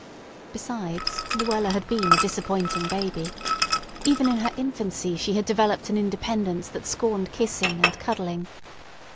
Besides, Luella had been a disappointing baby. Even in her infancy she had developed an independence that scorned kissing and cuddling.